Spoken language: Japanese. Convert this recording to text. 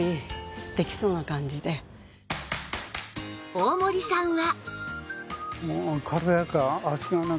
大森さんは